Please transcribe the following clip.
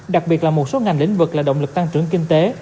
đặc biệt là một số ngành lĩnh vực là động lực tăng trưởng kinh tế